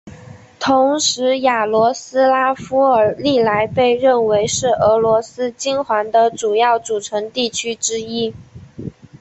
同时雅罗斯拉夫尔历来被认为是俄罗斯金环的主要组成地区之一。